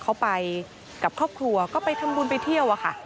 เขาไปกับครอบครัวก็ไปทำบุญไปเที่ยวอะค่ะ